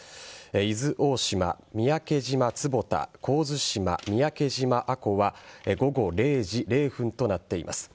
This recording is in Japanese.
伊豆大島、三宅島坪田神津島、三宅島阿古は午後０時０分となっています。